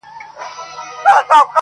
له ما جوړي بنګلې ښکلي ښارونه٫